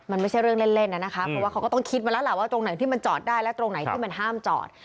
มันไม่ใช่เรื่องเล่นน่ะนะคะเพราะว่าเขาก็ต้องคิดมาแล้วล่ะว่าตรงไหนที่มันจอดได้และตรงไหนที่มันห้ามจอด